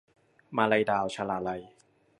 มาลัยดาว - ชลาลัย